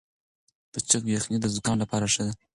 د چرګ یخني د زکام لپاره ښه ده.